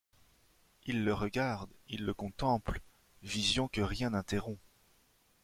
Il le regarde, il le contemple ; Vision que rien n’interrompt !